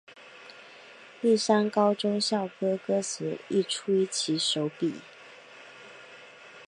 丽山高中校歌歌词亦出于其手笔。